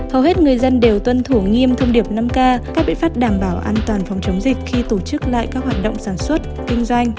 hầu hết người dân đều tuân thủ nghiêm thông điệp năm k các biện pháp đảm bảo an toàn phòng chống dịch khi tổ chức lại các hoạt động sản xuất kinh doanh